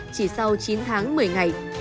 chỉ sau chín tháng một mươi ngày